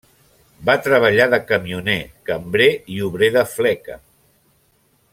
Va treballar de camioner, cambrer i obrer de fleca.